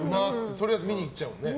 とりあえず見に行っちゃうね。